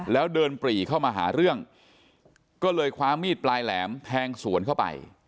แล้วเดินปรีเข้ามาหาเรื่องก็เลยคว้ามีดปลายแหลมแทงสวนเข้าไป